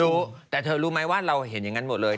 รู้แต่เธอรู้ไหมว่าเราเห็นอย่างนั้นหมดเลย